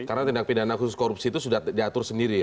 jadi tindak pidana khusus korupsi itu sudah diatur sendiri ya